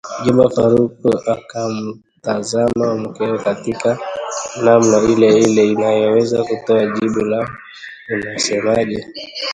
Mjomba Farouck akamtazama mkewe katika namna ile ile inayoweza kutoa jibu la unasemaje